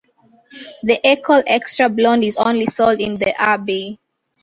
The Achel Extra Blond is only sold in the abbey.